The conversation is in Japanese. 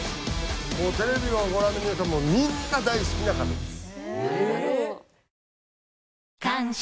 もうテレビをご覧の皆さんもみんな大好きな方です。